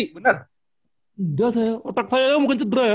udah saya otak saya mungkin cedera ya